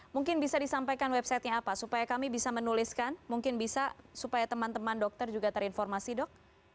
mungkin bisa disampaikan websitenya apa supaya kami bisa menuliskan mungkin bisa supaya teman teman dokter juga terinformasi dok